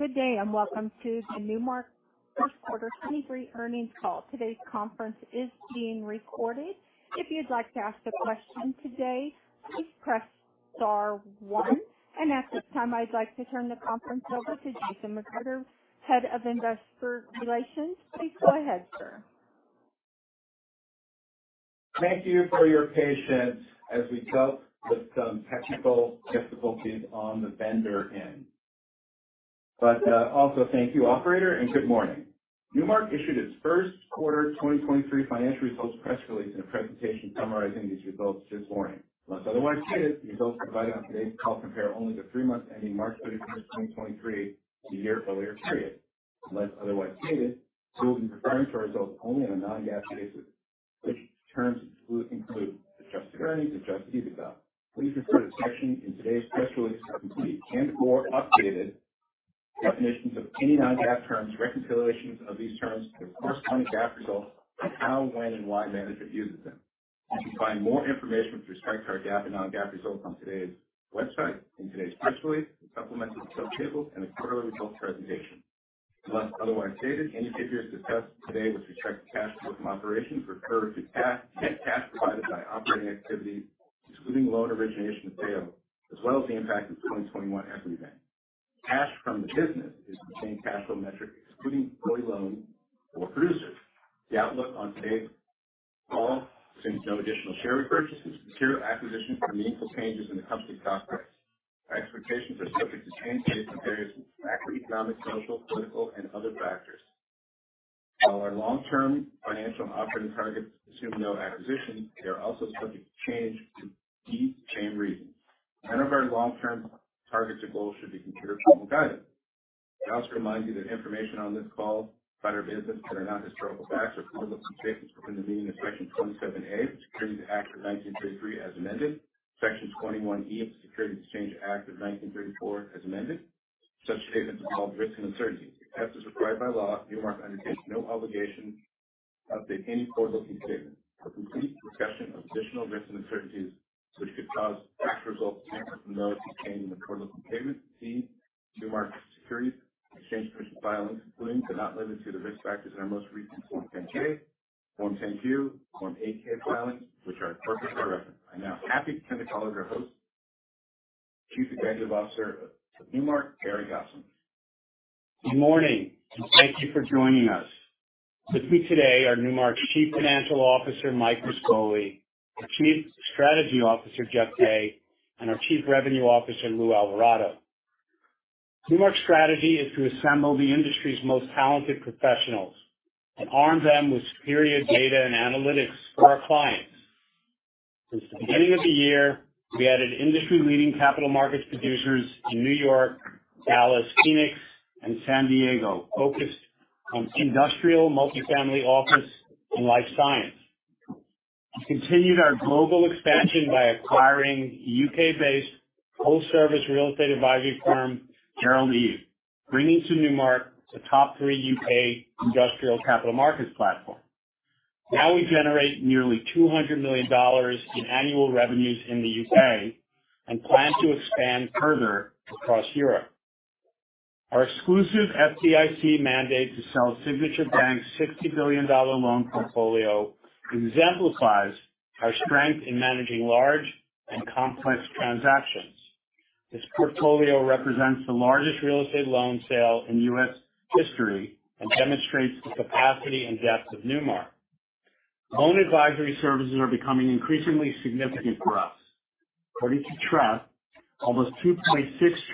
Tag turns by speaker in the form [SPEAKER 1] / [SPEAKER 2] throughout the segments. [SPEAKER 1] Good day. Welcome to the Newmark first quarter 2023 earnings call. Today's conference is being recorded. If you'd like to ask a question today, please press star one. At this time, I'd like to turn the conference over to Jason McGruder, Head of Investor Relations. Please go ahead, sir.
[SPEAKER 2] Thank you for your patience as we dealt with some technical difficulties on the vendor end. Also, thank you, operator, and good morning. Newmark issued its first quarter 2023 financial results press release and a presentation summarizing these results this morning. Unless otherwise stated, the results provided on today's call compare only the three months ending March 31st, 2023 to the year earlier period. Unless otherwise stated, we will be referring to our results only on a non-GAAP basis, which terms include adjusted earnings, adjusted EBITDA. Please refer to the section in today's press release for complete and more updated definitions of any non-GAAP terms, reconciliations of these terms to the corresponding GAAP results, and how, when and why management uses them. You can find more information with respect to our GAAP and non-GAAP results on today's website in today's press release, the supplemental tables, and the quarterly results presentation. Unless otherwise stated, any figures discussed today with respect to cash flow from operations refer to cash, net cash provided by operating activity, excluding loan origination and sale, as well as the impact of the 2021 equity event. Cash from the business is the same cash flow metric, excluding employee loans for producers. The outlook on today's call assumes no additional share repurchases, material acquisitions or meaningful changes in the company's prospects. Our expectations are subject to change based on various economic, social, political, and other factors. While our long-term financial and operating targets assume no acquisitions, they are also subject to change for key chain reasons. None of our long-term targets or goals should be considered formal guidance. I also remind you that information on this call about our business that are not historical facts or forward-looking statements within the meaning of Section 27A of the Securities Act of 1933 as amended, Section 21E of the Securities Exchange Act of 1934 as amended. Such statements involve risks and uncertainties. As is required by law, Newmark undertakes no obligation to update any forward-looking statements. A complete discussion of additional risks and uncertainties which could cause actual results to differ from those contained in the forward-looking statements can be seen in Newmark Securities Exchange Commission filings, including, but not limited to, the risk factors in our most recent Form 10-K, Form 10-Q, Form 8-K filings, which are incorporated by reference. I'm now happy to turn the call over to our host, Chief Executive Officer of Newmark, Barry Gosin.
[SPEAKER 3] Good morning. Thank you for joining us. With me today are Newmark's Chief Financial Officer, Mike Rispoli, our Chief Strategy Officer, Jeff Day, and our Chief Revenue Officer, Lou Alvarado. Newmark's strategy is to assemble the industry's most talented professionals and arm them with superior data and analytics for our clients. Since the beginning of the year, we added industry-leading capital markets producers in New York, Dallas, Phoenix and San Diego focused on industrial multifamily office and life science. We continued our global expansion by acquiring U.K.-based full service real estate advisory firm, Gerald Eve, bringing to Newmark the top three U.K. industrial capital markets platform. We generate nearly $200 million in annual revenues in the U.K. and plan to expand further across Europe. Our exclusive FDIC mandate to sell Signature Bank's $60 billion loan portfolio exemplifies our strength in managing large and complex transactions. This portfolio represents the largest real estate loan sale in U.S. history and demonstrates the capacity and depth of Newmark. Loan advisory services are becoming increasingly significant for us. According to Trepp, almost $2.6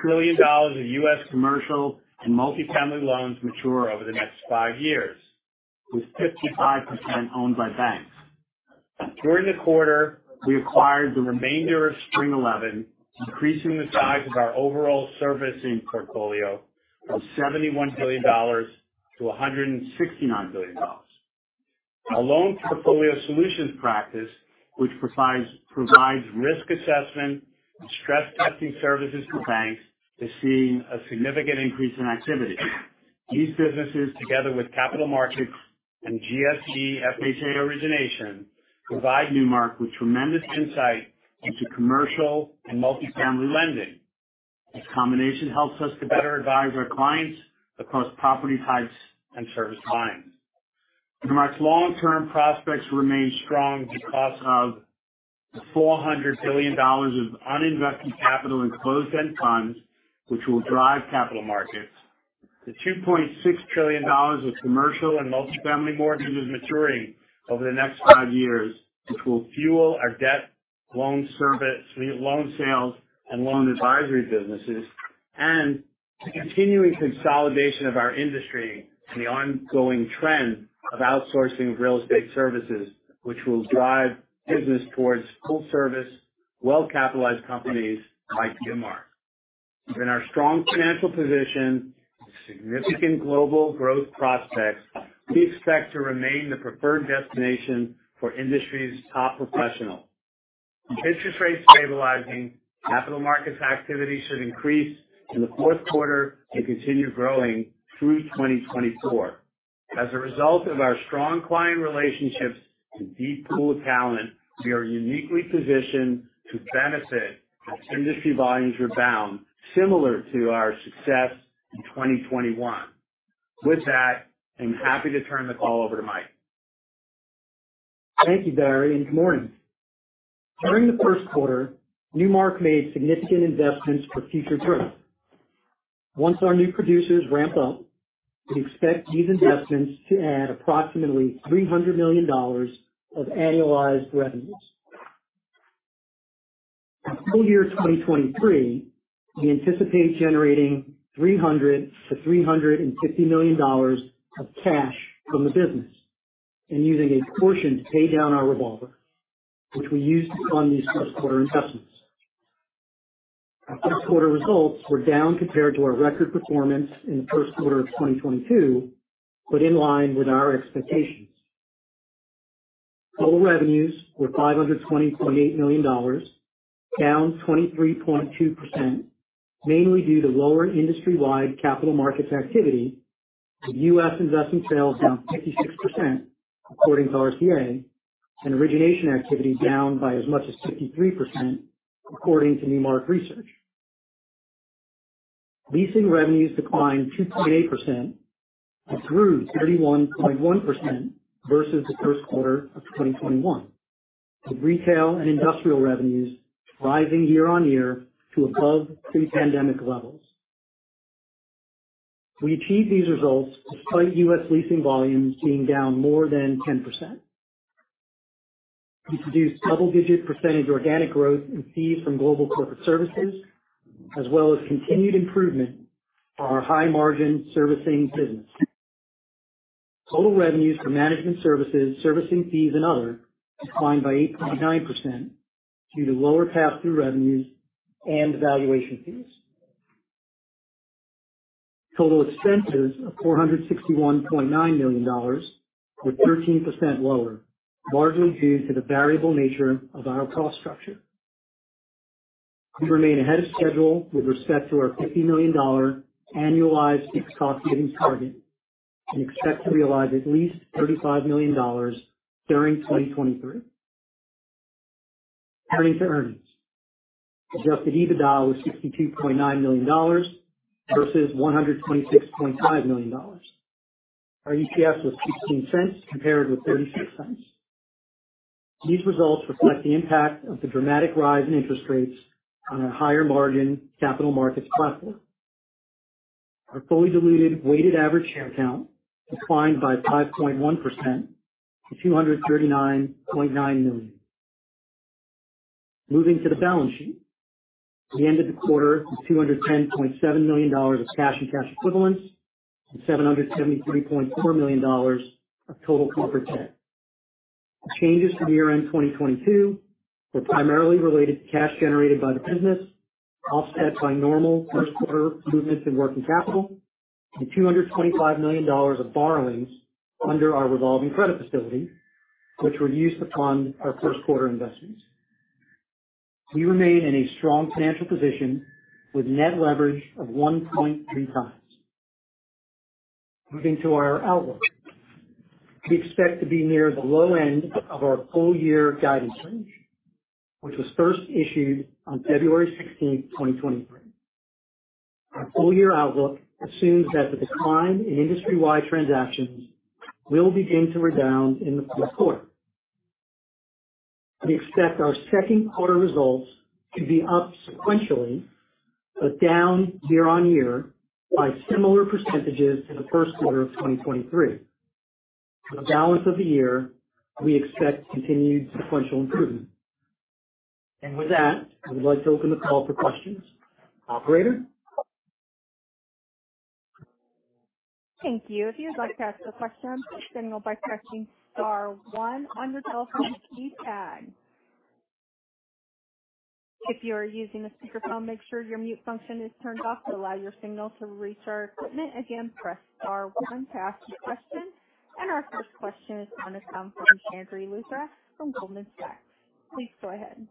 [SPEAKER 3] trillion of U.S. commercial and multifamily loans mature over the next five years, with 55% owned by banks. During the quarter, we acquired the remainder of Spring11, increasing the size of our overall servicing portfolio from $71 billion to $169 billion. Our loan portfolio solutions practice, which provides risk assessment and stress testing services to banks, is seeing a significant increase in activity. These businesses, together with capital markets and GSE FHA origination, provide Newmark with tremendous insight into commercial and multifamily lending. This combination helps us to better advise our clients across property types and service lines. Newmark's long-term prospects remain strong because of the $400 billion of uninvested capital in closed-end funds, which will drive capital markets. The $2.6 trillion of commercial and multifamily mortgages maturing over the next five years, which will fuel our debt, loan service, loan sales and loan advisory businesses. The continuing consolidation of our industry and the ongoing trend of outsourcing of real estate services, which will drive business towards full service, well-capitalized companies like Newmark. Given our strong financial position and significant global growth prospects, we expect to remain the preferred destination for industry's top professionals. With interest rates stabilizing, capital markets activity should increase in the fourth quarter and continue growing through 2024. As a result of our strong client relationships and deep pool of talent, we are uniquely positioned to benefit as industry volumes rebound similar to our success in 2021. With that, I'm happy to turn the call over to Mike.
[SPEAKER 4] Thank you, Barry. Good morning. During the first quarter, Newmark made significant investments for future growth. Once our new producers ramp up, we expect these investments to add approximately $300 million of annualized revenues. For full year 2023, we anticipate generating $300 million-$350 million of cash from the business and using a portion to pay down our revolver, which we used to fund these first quarter investments. Our first quarter results were down compared to our record performance in the first quarter of 2022, in line with our expectations. Total revenues were $520.8 million, down 23.2%, mainly due to lower industry-wide capital markets activity, with U.S. investment sales down 56% according to RCA, origination activity down by as much as 53% according to Newmark research. Leasing revenues declined 2.8% grew 31.1% versus the first quarter of 2021, with retail and industrial revenues rising year-on-year to above pre-pandemic levels. We achieved these results despite U.S. leasing volumes being down more than 10%. We produced double-digit percentage organic growth in fees from Global Corporate Services, as well as continued improvement for our high margin servicing business. Total revenues for management services, servicing fees, and other declined by 8.9% due to lower pass-through revenues and valuation fees. Total expenses of $461.9 million were 13% lower, largely due to the variable nature of our cost structure. We remain ahead of schedule with respect to our $50 million annualized fixed cost savings target and expect to realize at least $35 million during 2023. Turning to earnings. Adjusted EBITDA was $62.9 million versus $126.5 million. Our EPS was $0.16 compared with $0.36. These results reflect the impact of the dramatic rise in interest rates on our higher margin capital markets platform. Our fully diluted weighted average share count declined by 5.1% to 239.9 million. Moving to the balance sheet. We ended the quarter with $210.7 million of cash and cash equivalents and $773.4 million of total corporate debt. The changes from year-end 2022 were primarily related to cash generated by the business, offset by normal first quarter movements in working capital and $225 million of borrowings under our revolving credit facility, which were used to fund our first quarter investments. We remain in a strong financial position with net leverage of 1.3x. Moving to our outlook, we expect to be near the low end of our full-year guidance range, which was first issued on February 16, 2023. Our full-year outlook assumes that the decline in industry-wide transactions will begin to rebound in the 4th quarter. We expect our 2nd quarter results to be up sequentially but down year-on-year by similar percentages to the 1st quarter of 2023. For the balance of the year, we expect continued sequential improvement. With that, I would like to open the call for questions. Operator?
[SPEAKER 1] Thank you. If you would like to ask a question, signal by pressing star one on your telephone keypad. If you are using a speakerphone, make sure your mute function is turned off to allow your signal to reach our equipment. Again, press star one to ask your question. Our first question is on the phone from Chandni Luthra from Goldman Sachs. Please go ahead.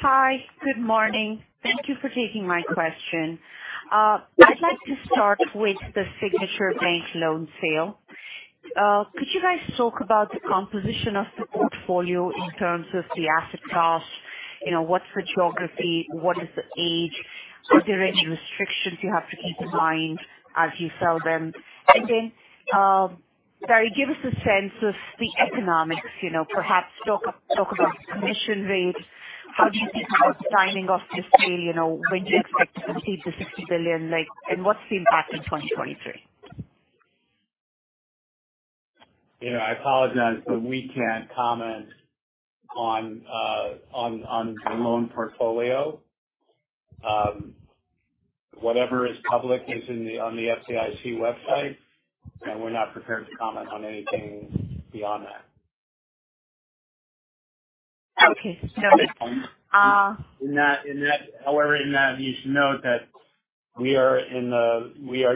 [SPEAKER 5] Hi. Good morning. Thank you for taking my question. I'd like to start with the Signature Bank loan sale. Could you guys talk about the composition of the portfolio in terms of the asset class? You know, what's the geography? What is the age? Are there any restrictions you have to keep in mind as you sell them? Barry, give us a sense of the economics. You know, perhaps talk about commission rates. How do you think about timing of the sale? You know, when do you expect to complete the $60 billion, like, and what's the impact in 2023?
[SPEAKER 3] You know, I apologize, we can't comment on the loan portfolio. Whatever is public is on the FDIC website, and we're not prepared to comment on anything beyond that.
[SPEAKER 5] Okay. Fair enough.
[SPEAKER 3] In that, however, in that you should note that we are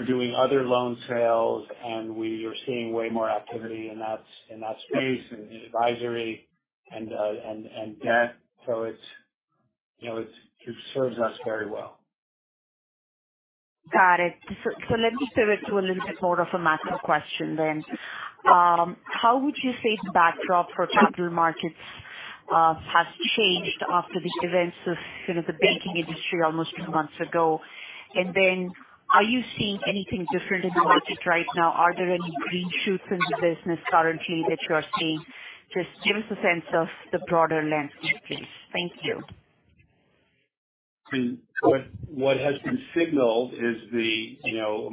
[SPEAKER 3] doing other loan sales, and we are seeing way more activity in that space. Advisory and that, so it's, you know, it serves us very well.
[SPEAKER 5] Got it. Let me pivot to a little bit more of a macro question then. How would you say the backdrop for capital markets has changed after the events of the banking industry almost two months ago? Are you seeing anything different in the market right now? Are there any green shoots in the business currently that you are seeing? Just give us a sense of the broader landscape, please. Thank you.
[SPEAKER 3] What has been signaled is the, you know,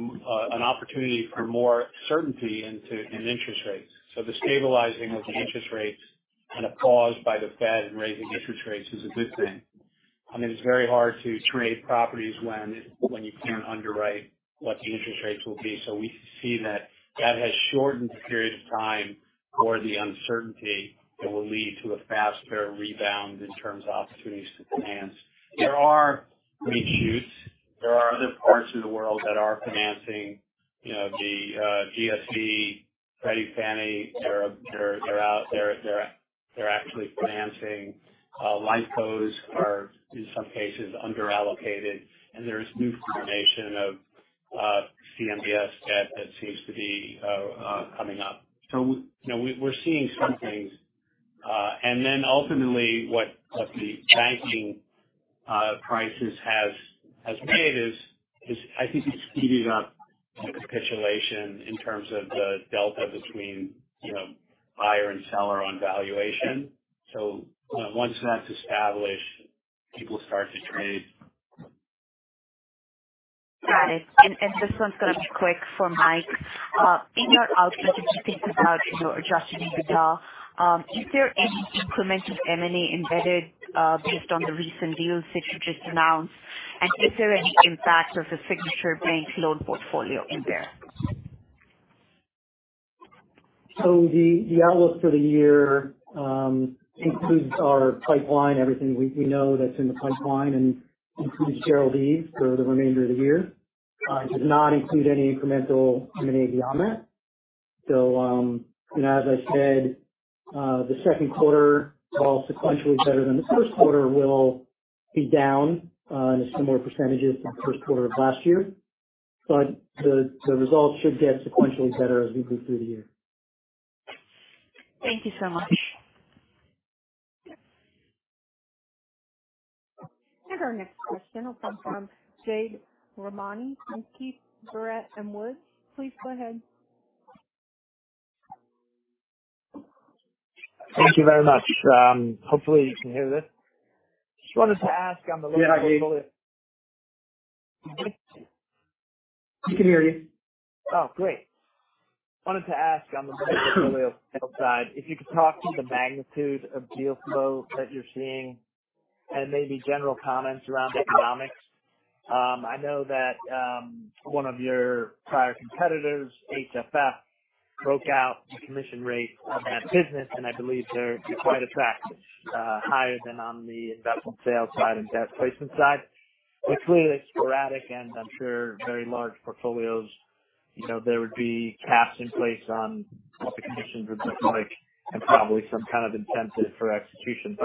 [SPEAKER 3] an opportunity for more certainty into interest rates. The stabilizing of interest rates and a pause by the Fed in raising interest rates is a good thing. I mean, it's very hard to trade properties when you can't underwrite what the interest rates will be. We see that has shortened the period of time for the uncertainty that will lead to a faster rebound in terms of opportunities to finance. There are green shoots. There are other parts of the world that are financing. You know, the GSE, Freddie, Fannie, they're out. They're actually financing. Life Cos are in some cases underallocated, and there's new formation of CMBS debt that seems to be coming up. You know, we're seeing some things. Ultimately what the banking crisis has made is I think it's speeded up the capitulation in terms of the delta between, you know, buyer and seller on valuation. You know, once that's established, people start to trade.
[SPEAKER 5] Got it. This one's gonna be quick for Mike. In your outlook, as you think about your adjusted EBITDA, is there any incremental M&A embedded, based on the recent deals that you just announced? Is there any impact of the Signature Bank loan portfolio in there?
[SPEAKER 4] The outlook for the year includes our pipeline, everything we know that's in the pipeline and includes Gerald Eve for the remainder of the year. It does not include any incremental M&A beyond that. You know, as I said, the second quarter, while sequentially better than the first quarter, will be down in a similar percentages as the first quarter of last year. The results should get sequentially better as we go through the year.
[SPEAKER 5] Thank you so much.
[SPEAKER 1] Our next question will come from Jade Rahmani from Keefe, Bruyette & Woods. Please go ahead.
[SPEAKER 6] Thank you very much. Hopefully you can hear this. Just wanted to ask on.
[SPEAKER 3] Yeah.
[SPEAKER 6] -portfolio.
[SPEAKER 3] We can hear you.
[SPEAKER 6] Great. Wanted to ask on the portfolio sale side, if you could talk to the magnitude of deal flow that you're seeing and maybe general comments around economics. I know that one of your prior competitors, HFF, broke out the commission rate on that business, and I believe they're quite a bit higher than on the investment sale side and debt placement side. Clearly, it's sporadic and I'm sure very large portfolios, you know, there would be caps in place on what the commissions would look like and probably some kind of incentive for execution.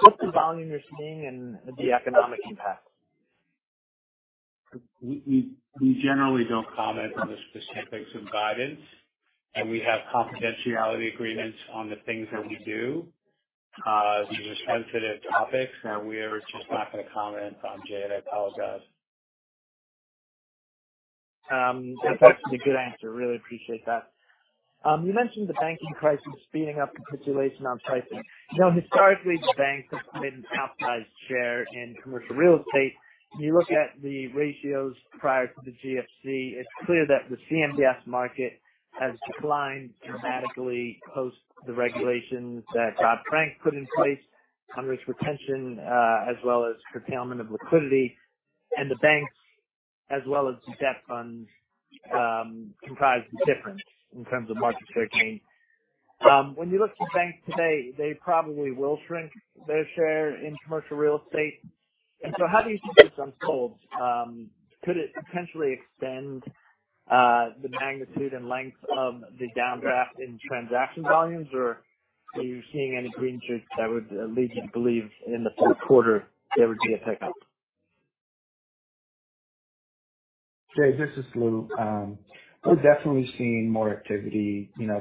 [SPEAKER 6] What's the volume you're seeing and the economic impact?
[SPEAKER 3] We generally don't comment on the specifics of guidance. We have confidentiality agreements on the things that we do. These are sensitive topics. We're just not gonna comment on Jay. I apologize.
[SPEAKER 6] That's actually a good answer. Really appreciate that. You mentioned the banking crisis speeding up capitulation on pricing. Now, historically, the banks have maintained a outsized share in commercial real estate. When you look at the ratios prior to the GFC, it's clear that the CMBS market has declined dramatically post the regulations that Dodd-Frank put in place on risk retention, as well as curtailment of liquidity. The banks, as well as the debt funds, comprise the difference in terms of market share change. When you look to banks today, they probably will shrink their share in commercial real estate. How do you see this unfold? Could it potentially extend the magnitude and length of the downdraft in transaction volumes, or are you seeing any green shoots that would lead you to believe in the fourth quarter there would be a pickup?
[SPEAKER 7] Jay, this is Lou. We're definitely seeing more activity. You know,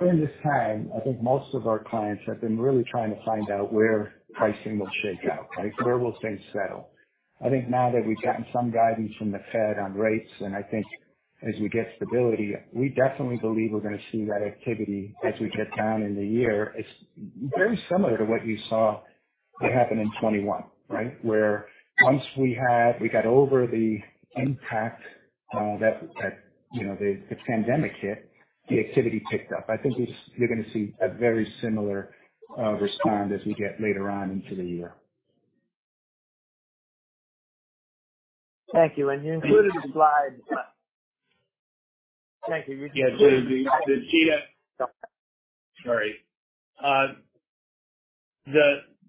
[SPEAKER 7] during this time, I think most of our clients have been really trying to find out where pricing will shake out, right? Where will things settle? I think now that we've gotten some guidance from the Fed on rates, and I think as we get stability, we definitely believe we're gonna see that activity as we get down in the year. It's very similar to what you saw happen in 21, right? Where once we got over the impact that, you know, the pandemic hit, the activity picked up. I think you're gonna see a very similar respond as we get later on into the year.
[SPEAKER 6] Thank you. You included a slide. Thank you.
[SPEAKER 3] Yeah. Did she.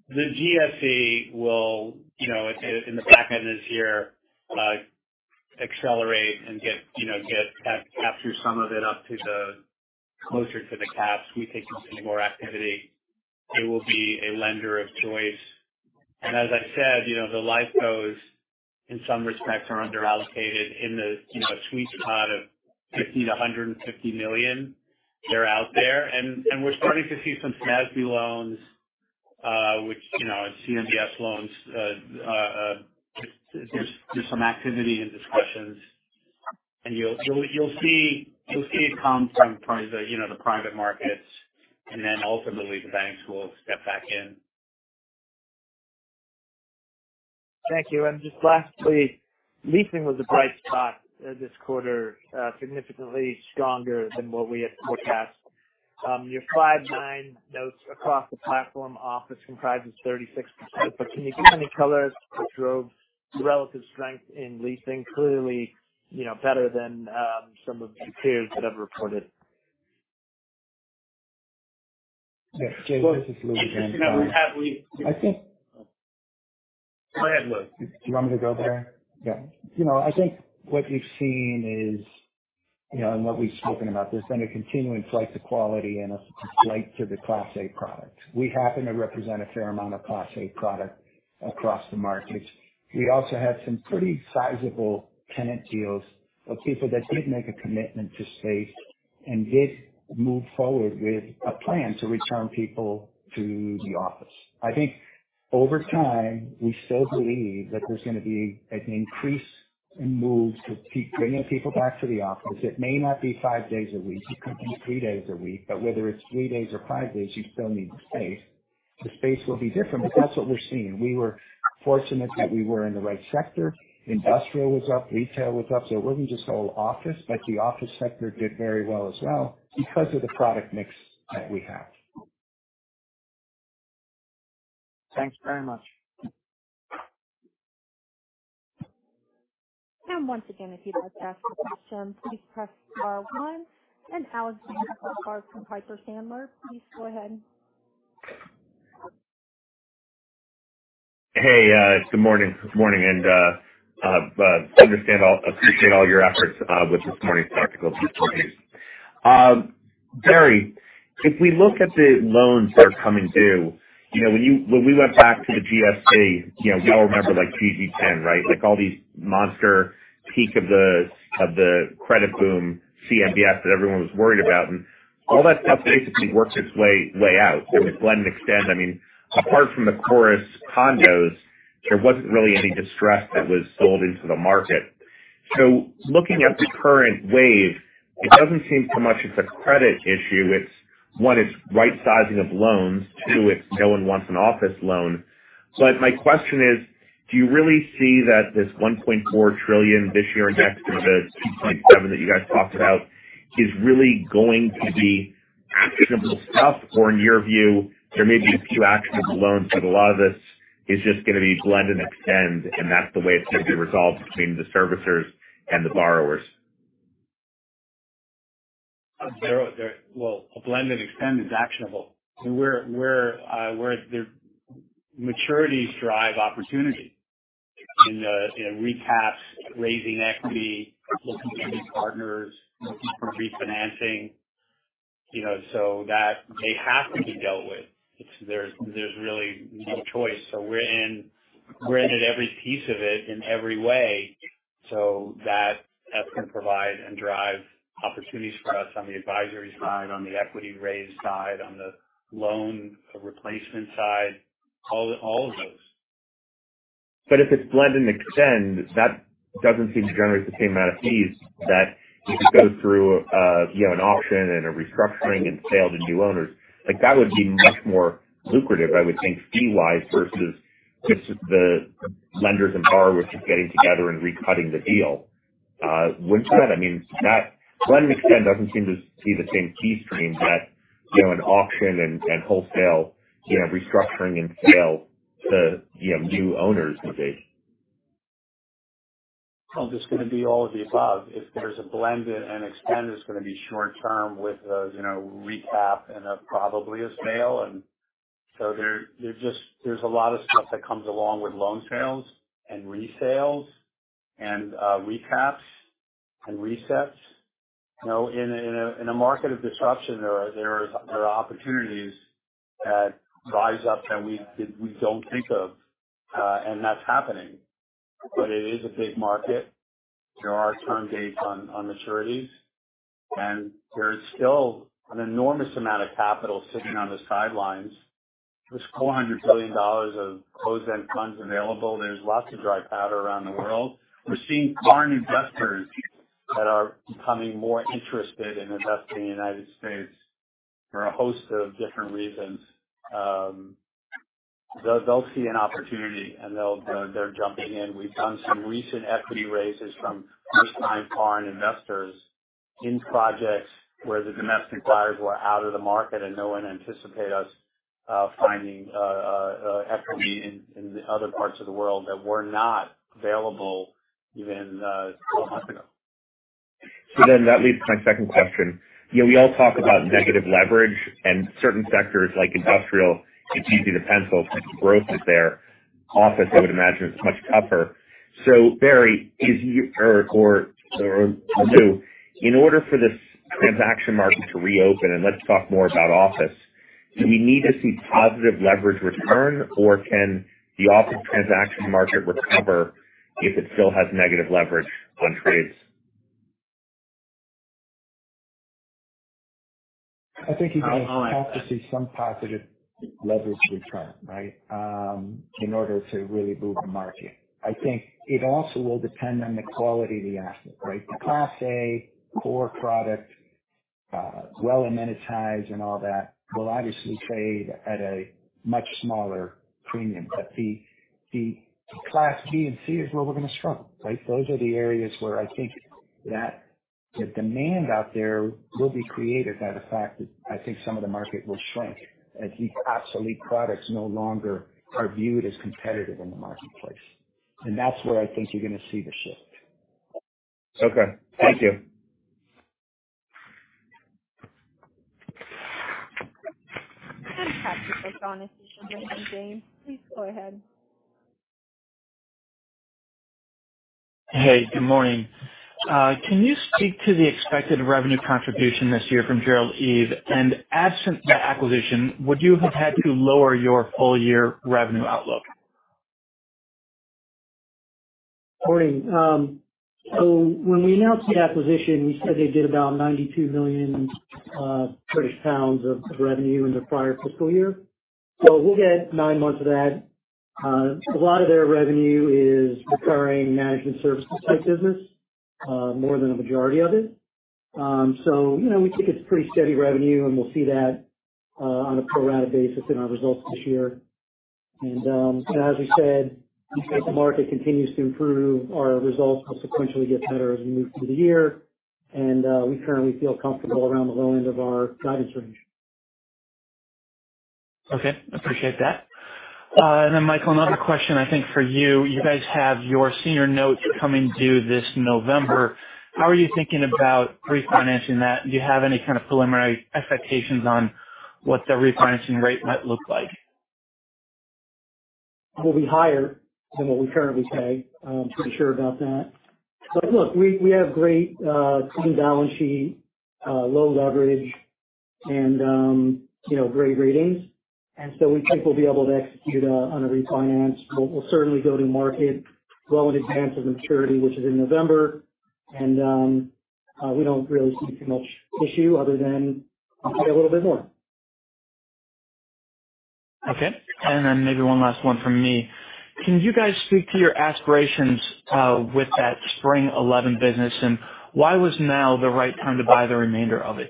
[SPEAKER 3] The GCS will, you know, in the back end of this year, accelerate and get, you know, capture some of it up to the closer to the caps. We think you'll see more activity. It will be a lender of choice. As I said, you know, the Life Cos in some respects are underallocated in the, you know, sweet spot of $50 million-$150 million. They're out there. We're starting to see some CMBS loans, which, you know, there's some activity and discussions. You'll see it come from the, you know, the private markets, and then ultimately the banks will step back in.
[SPEAKER 6] Thank you. Just lastly, leasing was a bright spot, this quarter. Significantly stronger than what we had forecast. Your five to nine notes across the platform office comprises 36%. Can you give any color as to what drove the relative strength in leasing? Clearly, you know, better than some of the peers that have reported.
[SPEAKER 7] Yeah. Jade, this is Lou.
[SPEAKER 3] Well, I think that we have leased-.
[SPEAKER 7] I think...
[SPEAKER 3] Go ahead, Lou.
[SPEAKER 7] Do you want me to go there? Yeah. You know, I think what we've seen is, you know, and what we've spoken about, there's been a continuing flight to quality and a flight to the Class A product. We happen to represent a fair amount of Class A product across the markets. We also had some pretty sizable tenant deals of people that did make a commitment to space and did move forward with a plan to return people to the office. I think over time, we still believe that there's gonna be an increase in moves to keep bringing people back to the office. It may not be five days a week. It could be three days a week. Whether it's three days or five days, you still need space. The space will be different, but that's what we're seeing. We were fortunate that we were in the right sector. Industrial was up, retail was up. It wasn't just all office. The office sector did very well as well because of the product mix that we have.
[SPEAKER 6] Thanks very much.
[SPEAKER 1] Once again, if you'd like to ask a question, please press star one. Alexander Goldfarb from Piper Sandler, please go ahead.
[SPEAKER 8] Hey, good morning. This morning and understand all, appreciate all your efforts with this morning's technical difficulties. Barry, if we look at the loans that are coming due, you know, when we went back to the GFC, you know, we all remember, like, GCCFC 2007-GG10, right? Like, all these monster peak of the, of the credit boom, CMBS that everyone was worried about, and all that stuff basically worked its way out. I mean, blend and extend. I mean, apart from the Corus condos, there wasn't really any distress that was sold into the market. Looking at the current wave, it doesn't seem so much it's a credit issue. It's, one, it's right sizing of loans. Two, it's no one wants an office loan. My question is, do you really see that this $1.4 trillion this year and next or the $2.7 trillion that you guys talked about is really going to be actionable stuff? In your view, there may be a few actionable loans, but a lot of this is just gonna be blend and extend, and that's the way it's gonna be resolved between the servicers and the borrowers.
[SPEAKER 3] Well, a blend and extend is actionable. We're the maturities drive opportunity in the, you know, recaps, raising equity, looking for new partners, refinancing. You know, that they have to be dealt with. It's there's really no choice. We're in at every piece of it in every way. That can provide and drive opportunities for us on the advisory side, on the equity raise side, on the loan replacement side, all of those.
[SPEAKER 8] If it's blend and extend, that doesn't seem to generate the same amount of fees that if you go through, you know, an auction and a restructuring and sale to new owners. Like, that would be much more lucrative, I would think fee-wise versus just the lenders and borrowers just getting together and recutting the deal. Wouldn't you say that? I mean, that blend and extend doesn't seem to see the same fee stream that, you know, an auction and wholesale, you know, restructuring and sale to, you know, new owners would be.
[SPEAKER 3] Well, there's gonna be all of the above. If there's a blend and extend, there's gonna be short term with a, you know, recap and probably a sale. There's just, there's a lot of stuff that comes along with loan sales and resales and recaps and resets. You know, in a market of disruption, there are opportunities that rise up that we don't think of, and that's happening. It is a big market. There are term dates on maturities, and there's still an enormous amount of capital sitting on the sidelines. There's $400 billion of closed-end funds available. There's lots of dry powder around the world. We're seeing foreign investors that are becoming more interested in investing in the United States for a host of different reasons. They'll see an opportunity and they're jumping in. We've done some recent equity raises from first-time foreign investors in projects where the domestic buyers were out of the market, and no one anticipate us finding equity in other parts of the world that were not available even one month ago.
[SPEAKER 8] That leads to my second question. You know, we all talk about negative leverage in certain sectors like industrial. It's easy to pencil because growth is there. Office, I would imagine, is much tougher. Barry, in order for this transaction market to reopen, and let's talk more about office, do we need to see positive leverage return, or can the office transaction market recover if it still has negative leverage on trades?
[SPEAKER 9] I think you're going to have to see some positive leverage return, right? In order to really move the market. I think it also will depend on the quality of the asset, right? The Class A core product, well amenitized and all that will obviously trade at a much smaller premium. The Class B and C is where we're going to struggle, right? Those are the areas where I think that the demand out there will be created by the fact that I think some of the market will shrink as these obsolete products no longer are viewed as competitive in the marketplace. That's where I think you're going to see the shift.
[SPEAKER 8] Okay. Thank you.
[SPEAKER 1] Patrick O'Shaughnessy with Raymond James. Please go ahead.
[SPEAKER 10] Hey, good morning. Can you speak to the expected revenue contribution this year from Gerald Eve? Absent the acquisition, would you have had to lower your full year revenue outlook?
[SPEAKER 4] Morning. When we announced the acquisition, we said they did about 92 million British pounds of revenue in the prior fiscal year. We'll get nine months of that. A lot of their revenue is recurring management services type business, more than a majority of it. You know, we think it's pretty steady revenue, and we'll see that on a pro rata basis in our results this year. As we said, as the market continues to improve, our results consequentially get better as we move through the year. We currently feel comfortable around the low end of our guidance range.
[SPEAKER 10] Okay. Appreciate that. Michael, another question I think for you. You guys have your senior notes coming due this November. How are you thinking about refinancing that? Do you have any kind of preliminary expectations on what the refinancing rate might look like?
[SPEAKER 4] It will be higher than what we currently pay. I'm pretty sure about that. Look, we have great, clean balance sheet, low leverage and, you know, great ratings. We think we'll be able to execute on a refinance. We'll certainly go to market well in advance of maturity, which is in November. We don't really see too much issue other than it'll be a little bit more.
[SPEAKER 10] Okay. Then maybe one last one from me. Can you guys speak to your aspirations with that Spring11 business, and why was now the right time to buy the remainder of it?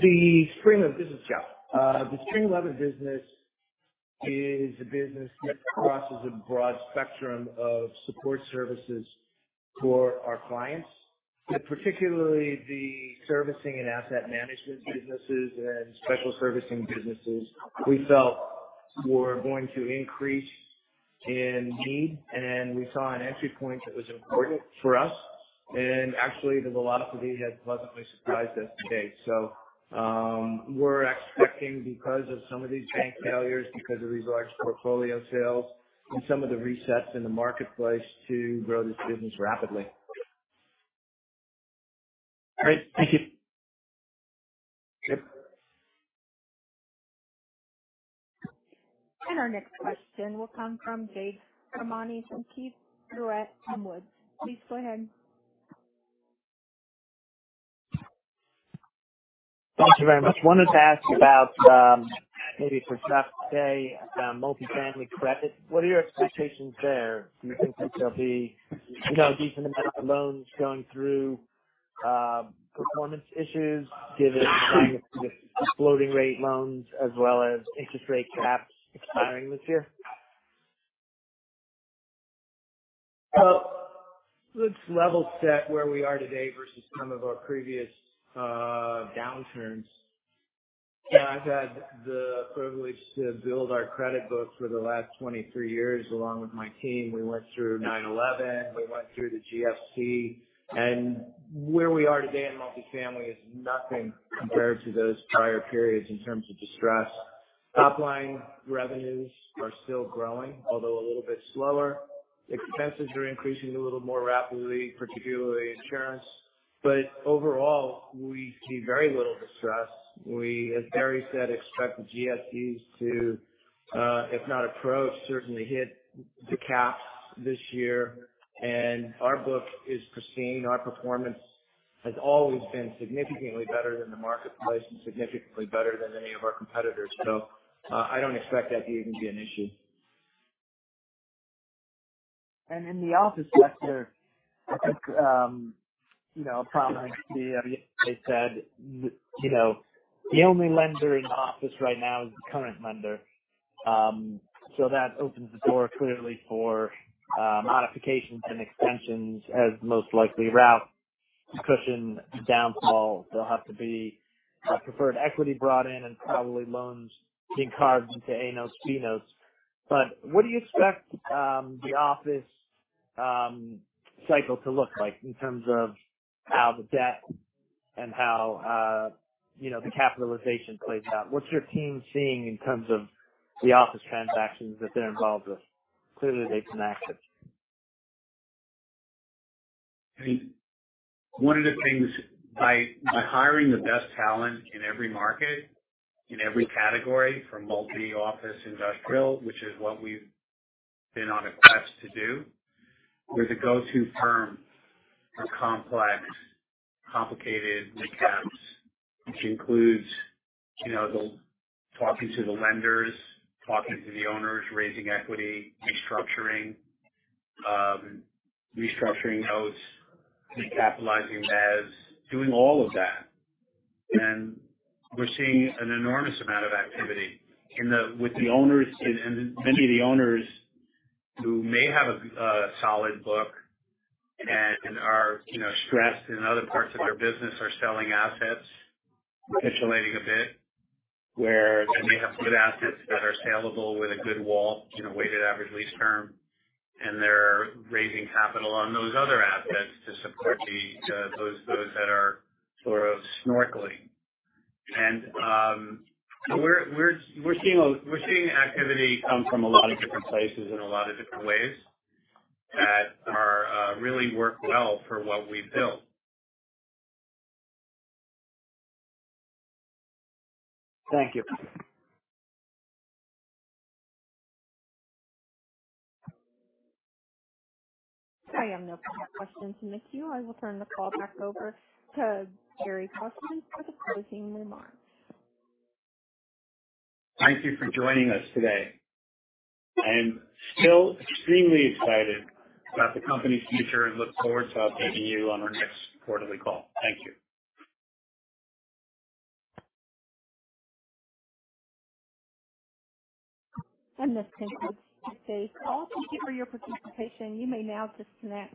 [SPEAKER 9] The Spring11 business, yeah. The Spring11 business is a business that crosses a broad spectrum of support services for our clients, but particularly the servicing and asset management businesses and special servicing businesses we felt were going to increase in need. We saw an entry point that was important for us. Actually the velocity has pleasantly surprised us to date. We're expecting because of some of these bank failures, because of these large portfolio sales and some of the resets in the marketplace to grow this business rapidly.
[SPEAKER 10] Great. Thank you.
[SPEAKER 9] Yep.
[SPEAKER 1] Our next question will come from Jade Rahmani from Keefe, Bruyette & Woods. Please go ahead.
[SPEAKER 6] Thank you very much. Wanted to ask about, maybe for Jeff Day, multifamily credit. What are your expectations there? Do you think that there'll be, you know, a decent amount of loans going through, performance issues given the floating rate loans as well as interest rate caps expiring this year?
[SPEAKER 9] Well, let's level set where we are today versus some of our previous downturns. I've had the privilege to build our credit books for the last 23 years, along with my team. We went through 9/11, we went through the GFC. Where we are today in multifamily is nothing compared to those prior periods in terms of distress. Top line revenues are still growing, although a little bit slower. Expenses are increasing a little more rapidly, particularly insurance. Overall, we see very little distress. We, as Barry said, expect the GSEs to, if not approach, certainly hit the caps this year. Our book is pristine. Our performance has always been significantly better than the marketplace and significantly better than any of our competitors. I don't expect that to even be an issue.
[SPEAKER 6] In the office sector, I think, you know, a problem like they said, you know, the only lender in office right now is the current lender. So that opens the door clearly for modifications and extensions as the most likely route. Cushion downfall. There'll have to be preferred equity brought in and probably loans being carved into A notes, B notes. What do you expect, the office, cycle to look like in terms of how the debt and how, you know, the capitalization plays out? What's your team seeing in terms of the office transactions that they're involved with? Clearly they've been active.
[SPEAKER 3] I mean, one of the things by hiring the best talent in every market, in every category from multi-office industrial, which is what we've been on a quest to do. We're the go-to firm for complex, complicated recaps, which includes, you know, the talking to the lenders, talking to the owners, raising equity, restructuring notes, recapitalizing mezz, doing all of that. We're seeing an enormous amount of activity with the owners and many of the owners who may have a solid book and are, you know, stressed in other parts of their business, are selling assets, capitulating a bit where they may have good assets that are saleable with a good WAL, you know, weighted average lease term, and they're raising capital on those other assets to support those that are sort of snorkeling. We're seeing activity come from a lot of different places in a lot of different ways that are really work well for what we've built.
[SPEAKER 6] Thank you.
[SPEAKER 1] I have no further questions, mister. I will turn the call back over to Barry Gosin for the closing remarks.
[SPEAKER 3] Thank you for joining us today. I am still extremely excited about the company's future and look forward to updating you on our next quarterly call. Thank you.
[SPEAKER 1] This concludes today's call. Thank you for your participation. You may now disconnect.